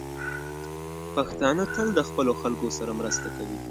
پښتانه تل د خپلو خلکو سره مرسته کوي.